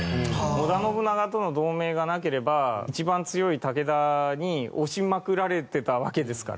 織田信長との同盟がなければ一番強い武田に押しまくられてたわけですから。